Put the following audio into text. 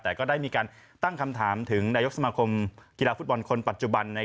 แต่ก็ได้มีการตั้งคำถามถึงนายกสมาคมกีฬาฟุตบอลคนปัจจุบัน